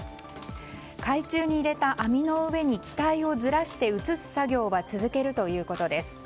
海中に入れた網の上に機体をずらして移す作業は続けるということです。